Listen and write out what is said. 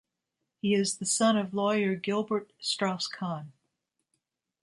He is the son of lawyer Gilbert Strauss-Kahn.